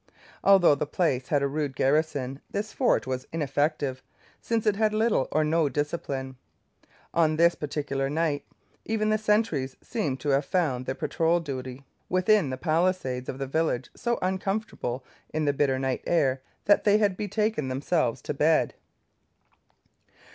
Although the place had a rude garrison this force was ineffective, since it had little or no discipline. On this particular night even the sentries seem to have found their patrol duty within the palisades of the village so uncomfortable, in the bitter night air, that they had betaken themselves to bed.